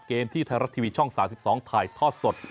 ที่ไทยรัฐทีวีช่อง๓๒ถ่ายทอดสด